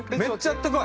あったかい！